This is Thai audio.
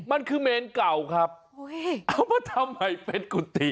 มันคือเมนเก่าครับเอามาทำให้เป็นกุฏิ